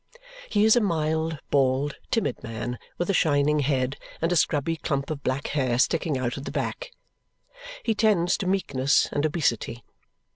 He is a mild, bald, timid man with a shining head and a scrubby clump of black hair sticking out at the back. He tends to meekness and obesity.